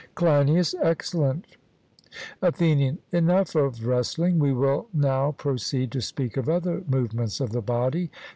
CLEINIAS: Excellent. ATHENIAN: Enough of wrestling; we will now proceed to speak of other movements of the body.